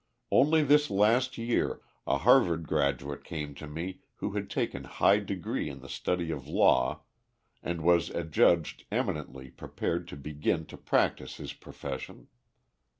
Only this last year a Harvard graduate came to me who had taken high degree in the study of law and was adjudged eminently prepared to begin to practice his profession.